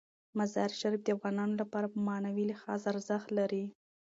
مزارشریف د افغانانو لپاره په معنوي لحاظ ارزښت لري.